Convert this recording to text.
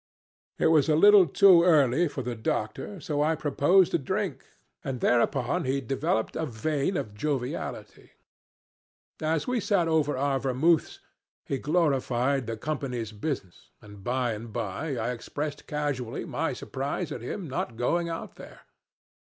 It was a little too early for the doctor, so I proposed a drink, and thereupon he developed a vein of joviality. As we sat over our vermouths he glorified the Company's business, and by and by I expressed casually my surprise at him not going out there.